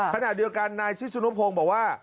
ขณะเดียวกันนายชิสุนุพงศ์บอกว่า